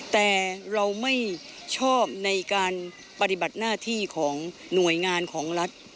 แต่เราไม่ชอบในการปฏิบัติหน้าที่ของหน่วยงานของรัฐ